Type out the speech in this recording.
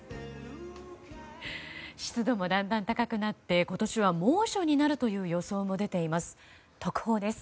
湿度もだんだん高くなって今年も猛暑になるという予報が出ています。